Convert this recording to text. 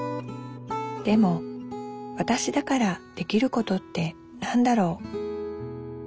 でもわたしだからできることって何だろう？